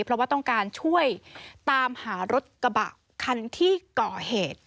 เพราะว่าต้องการช่วยตามหารถกระบะคันที่ก่อเหตุ